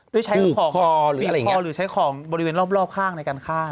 ด้วยใช้ของหรือใช้ของบริเวณรอบข้างในการฆ่า